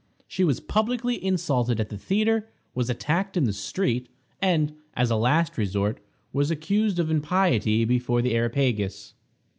She was publicly insulted at the theatre; was attacked in the street; and, as a last resort, was accused of impiety before the Areopagus.